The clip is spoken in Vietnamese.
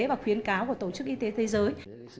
và khuyến cáo của tổ chức y tế thế giới